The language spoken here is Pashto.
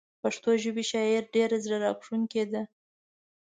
پښتو ژبې شاعري ډيره زړه راښکونکي ده